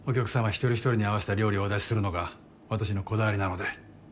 一人一人に合わせた料理をお出しするのが私のこだわりなので。